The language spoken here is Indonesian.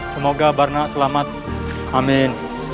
semoga barna selamat amin